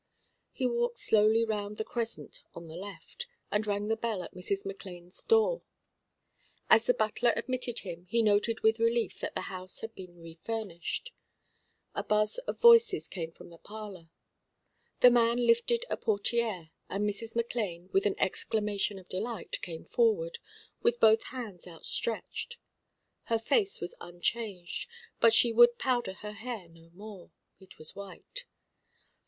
He walked slowly round the crescent on the left, and rang the bell at Mrs. McLane's door. As the butler admitted him he noted with relief that the house had been refurnished. A buzz of voices came from the parlour. The man lifted a portière, and Mrs. McLane, with an exclamation of delight, came forward, with both hands outstretched. Her face was unchanged, but she would powder her hair no more. It was white.